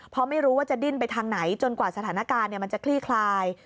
เพราะไม่รู้ว่าจะดิ้นไปทางไหนจนกว่าสถานการณ์มันจะคลี่คลาย